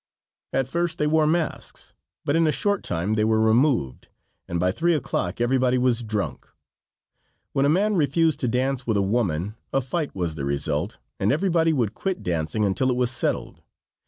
At first they wore masks, but in a short time they were removed, and by 3 o'clock everybody was drunk. When a man refused to dance with a woman, a fight was the result, and everybody would quit dancing until it was settled.